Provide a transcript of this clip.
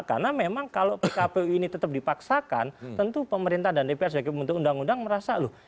karena memang kalau kpu ini tetap dipaksakan tentu pemerintah dan dpr sebagai pembentuk undang undang merasa loh